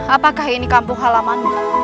apakah ini kampung halamanmu